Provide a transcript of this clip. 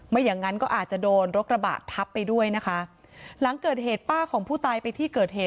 อย่างงั้นก็อาจจะโดนรถกระบะทับไปด้วยนะคะหลังเกิดเหตุป้าของผู้ตายไปที่เกิดเหตุ